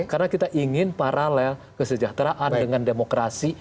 karena kita ingin paralel kesejahteraan dengan demokrasi